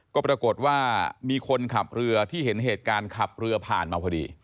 ก็ปรากฏว่ามีคนขับเรือที่เห็นเหตุการณ์ขับเรือผ่านมาพอดี